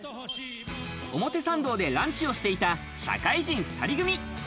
表参道でランチをしていた、社会人２人組。